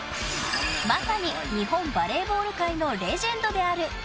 まさに、日本バレーボール界のレジェンドである。